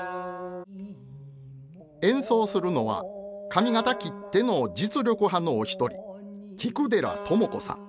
演奏するのは上方きっての実力派のお一人菊寺智子さん。